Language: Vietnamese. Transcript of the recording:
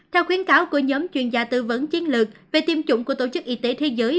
theo khuyến cáo của nhóm chuyên gia tư vấn chiến lược về tiêm chủng của tổ chức y tế thế giới